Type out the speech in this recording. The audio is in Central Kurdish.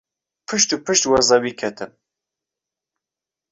پشت و پشت وە زەوی کەتم.